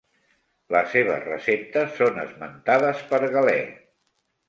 Les seves receptes són esmentades per Galè.